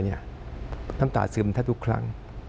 น้ำตาซึมแทบทุกครั้ง